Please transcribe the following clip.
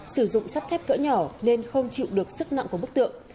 sử dụng sắt thép cỡ nhỏ nên không chịu được sức nặng của bức tượng